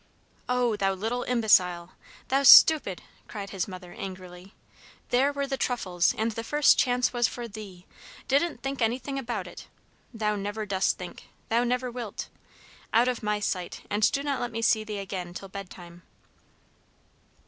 "Oh, thou little imbecile thou stupid!" cried his mother, angrily. "There were the truffles, and the first chance was for thee. Didn't think anything about it! Thou never dost think, thou never wilt. Out of my sight, and do not let me see thee again till bedtime."